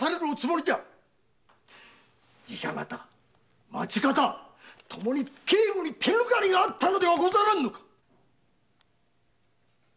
寺社方・町方ともに警護に手ぬかりがあったのではないか？